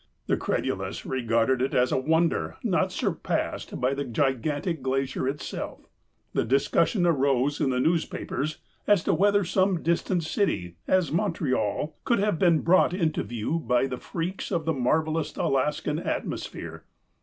The credulous regarded it as a wonder not surpassed by the gigantic glacier itself. The dis cussion arose in the newspapers as to whether some distant city, as Montreal, could have been brought into view by the freaks of the marvelous Alaskan atmosphere.